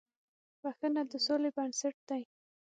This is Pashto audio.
• بښنه د سولې بنسټ دی.